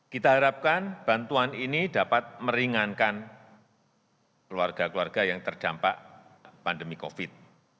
kita harapkan bantuan ini dapat meringankan keluarga keluarga yang terdampak pandemi covid